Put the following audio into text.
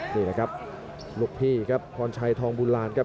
นี่แหละครับลูกพี่ครับคอนชัยทองบุราณครับ